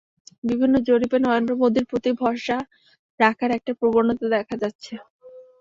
বিভিন্ন জরিপে নরেন্দ্র মোদির প্রতি ভরসা রাখার একটা প্রবণতা দেখা যাচ্ছে।